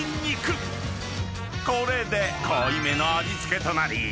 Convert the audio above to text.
［これで濃いめの味付けとなり］